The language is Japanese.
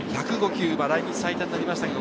１０５球、来日最多になりました。